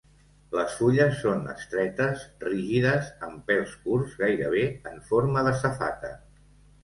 Les fulles són estretes, rígides, amb pèls curts, gairebé en forma de safata.